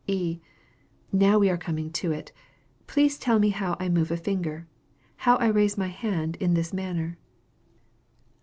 E. Now we are coming to it. Please tell me how I move a finger how I raise my hand in this manner.